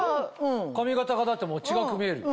髪形がだってもう違く見える。